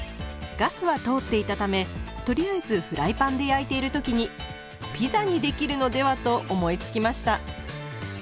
ガスは通っていたためとりあえずフライパンで焼いている時にピザにできるのではと思いつきました。